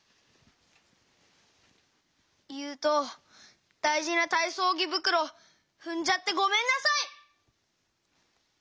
ゆうとだいじなたいそうぎぶくろふんじゃってごめんなさい！